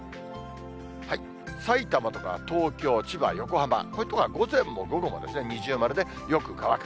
さいたまとか東京、千葉、横浜、こういう所は午前も午後も二重丸でよく乾く。